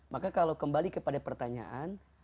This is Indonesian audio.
maka kalau kembali kepada pertanyaan